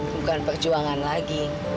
bukan perjuangan lagi